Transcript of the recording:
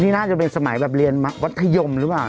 นี่น่าจะเป็นสมัยแบบเรียนมัธยมหรือเปล่า